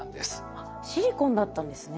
あっシリコンだったんですね。